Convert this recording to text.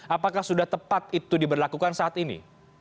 apakah sudah tepat itu diberlakukan saat ini